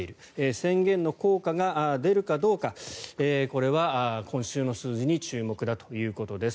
宣言の効果が出るかどうかこれは今週の数字に注目だということです。